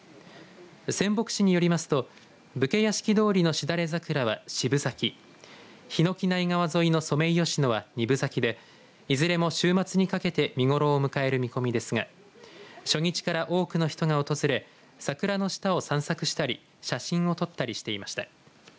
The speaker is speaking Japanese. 仙北市によりますと武家屋敷通りのしだれ桜は４分咲き桧内川沿いのソメイヨシノは２分咲きでいずれも週末にかけて見頃を迎える見込みですが初日から多くの人が訪れ桜の下を散策したり写真を撮ったりしていました。